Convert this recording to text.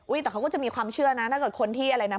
แต่เขาก็จะมีความเชื่อนะถ้าเกิดคนที่อะไรนะ